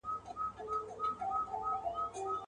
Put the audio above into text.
نمک خور دي له عمرونو د دبار یم.